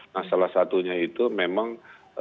nah salah satunya itu memang